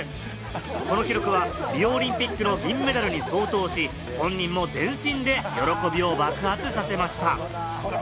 この記録はリオオリンピックの銀メダルに相当し、本人も全身で喜びを爆発させました。